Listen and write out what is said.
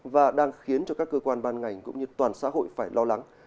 và đang khiến cho các cơ quan ban ngành cũng như toàn xã hội phải lo lắng